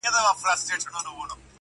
موري ډېوه دي ستا د نور د شفقت مخته وي,